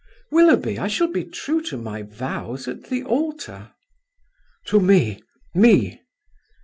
"Willoughby, I shall be true to my vows at the altar." "To me! me!"